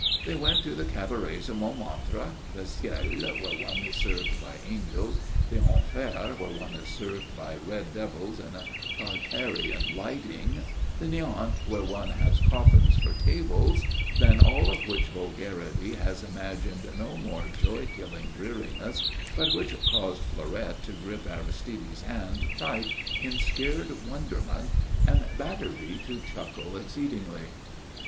They went to the cabarets of Montmartre the Ciel, where one is served by angels; the Enfer, where one is served by red devils in a Tartarean lighting; the Néant, where one has coffins for tables than all of which vulgarity has imagined no more joy killing dreariness, but which caused Fleurette to grip Aristide's hand tight in scared wonderment and Batterby to chuckle exceedingly.